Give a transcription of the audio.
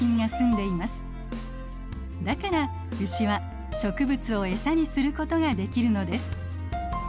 だからウシは植物をエサにすることができるのです。